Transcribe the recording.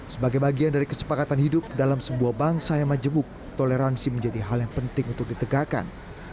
sebagai bagian dari kesepakatan hidup dalam sebuah bangsa yang majemuk toleransi menjadi hal yang penting untuk ditegakkan